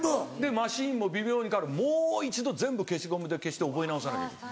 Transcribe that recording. マシンも微妙に変わるもう一度全部消しゴムで消して覚え直さなきゃいけない。